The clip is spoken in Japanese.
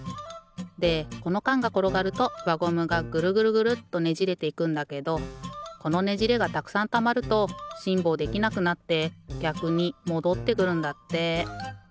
でこのかんがころがるとわゴムがぐるぐるぐるっとねじれていくんだけどこのねじれがたくさんたまるとしんぼうできなくなってぎゃくにもどってくるんだって。